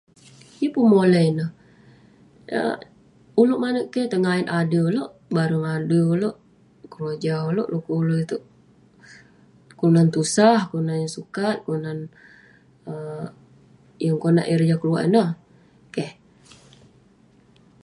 Yeng pun moley neh. Ya- ulouk manouk keh tengayet adui ulouk, bareng adui ulouk, keroja ulouk. Dekuk ulouk itouk kelunan tusah, kelunan yeng sukat, kelunan um yeng konak ireh jak keluak ineh. Keh.